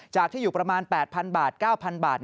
จากที่อยู่ประมาณ๘๐๐บาท๙๐๐บาท